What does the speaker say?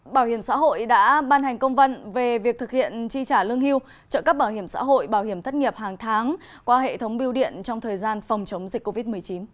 bảo hiểm xã hội đã ban hành công văn về việc thực hiện chi trả lương hưu trợ cấp bảo hiểm xã hội bảo hiểm thất nghiệp hàng tháng qua hệ thống biêu điện trong thời gian phòng chống dịch covid một mươi chín